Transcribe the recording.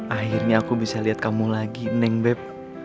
akhirnya aku bisa lihat kamu lagi neng beb